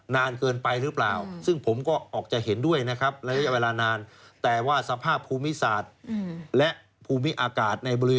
นานเกินไปหรือเปล่า